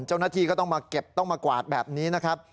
เจ้าหน้าที่ก็ต้องมาเก็บต้องมากวาดแบบนี้นะครับ